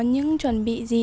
những chuẩn bị gì